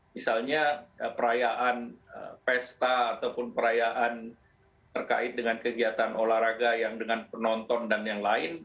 misalnya perayaan pesta ataupun perayaan terkait dengan kegiatan olahraga yang dengan penonton dan yang lain